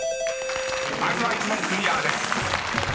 まずは１問クリアです］